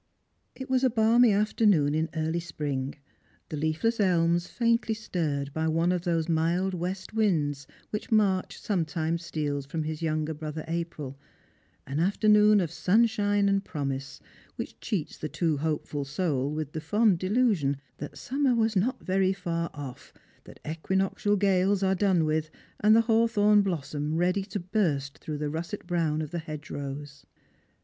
It was a balmy afternoon in early spring, the leaHess elms faintly stirred by one of those mild west winds which March sometimes steals from his younger brother April, an afternoon of sunshine and promise, which cheats the too hopeful soul with the fond delusion that summer was not very far otf, that equi noctial gales are done with, and the hawthorn l^lossom read}'^ to burst through the russet brown of the hedgerows.